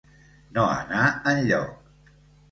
No anar enlloc.